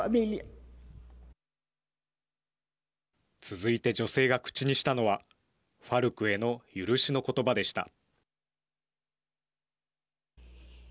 続いて女性が口にしたのはＦＡＲＣへの許しのことばでした。